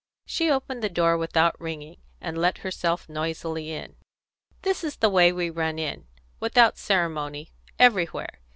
She opened the door without ringing, and let herself noisily in. "This is the way we run in, without ceremony, everywhere.